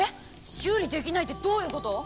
修理できないってどういうこと？